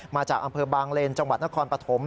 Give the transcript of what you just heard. มาจากอำเภอบางเลนจังหวัดนครปฐม